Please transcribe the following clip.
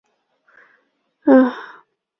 而十二指肠大乳头则是肝胰壶腹的开口处。